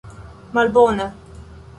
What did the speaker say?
malbona